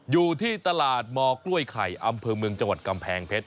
อยู่ที่ตลาดมกล้วยไข่อำเภอเมืองจังหวัดกำแพงเพชร